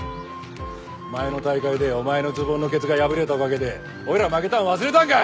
前の大会でお前のズボンのケツが破れたおかげで俺ら負けたの忘れたんか！